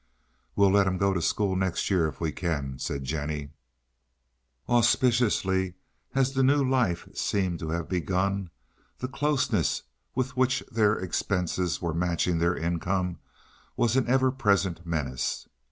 "We will let him go to school next year if we can," said Jennie. Auspiciously as the new life seemed to have begun, the closeness with which their expenses were matching their income was an ever present menace.